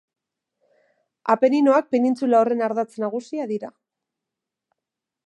Apeninoak penintsula horren ardatz nagusia dira.